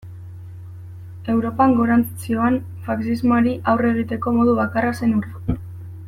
Europan gorantz zihoan faxismoari aurre egiteko modu bakarra zen hura.